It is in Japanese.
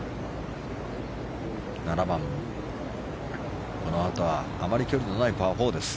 ７番、このあとはあまり距離のないパー４です。